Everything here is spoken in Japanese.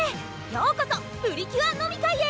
ようこそプリキュア飲み会へ！